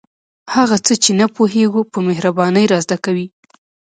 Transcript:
هغه څه چې نه پوهیږو په مهربانۍ را زده کوي.